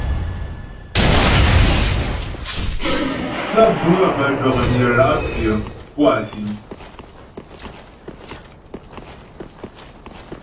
Thə́ bhə̌ bə́ dɔ̀knyə la' pyə̌ pú á sìm.